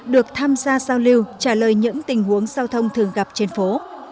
được tham gia giao lưu trả lời những tình huống giao thông thường gặp trên phố